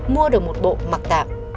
mua được một bộ mặc tạm